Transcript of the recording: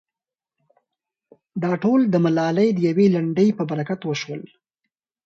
دا ټول د ملالې د يوې لنډۍ په برکت وشول.